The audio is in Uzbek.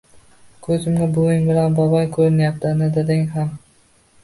Ko‘zimga buving bilan bobong ko‘rinyapti, ana, dadang ham